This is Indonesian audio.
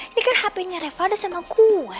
ini kan hp reva ada sama gue